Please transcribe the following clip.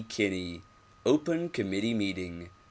Kinney. Open Committee Meeting.